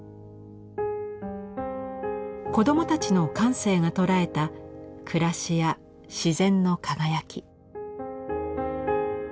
子どもたちの感性が捉えた暮らしや自然の輝き。